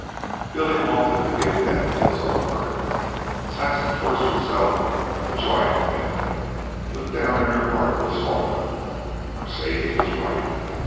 Billy halted to give vent to his own mirth. Saxon forced herself to join with him, but down in her heart was horror. Mercedes was right.